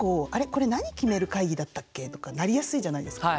これ何決める会議だったっけ？」とかなりやすいじゃないですか。